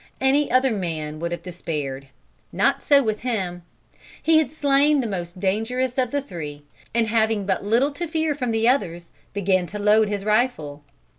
Any other man would have despaired. Not so with him. He had slain the most dangerous of the three, and having but little to fear from the others, began to load his rifle.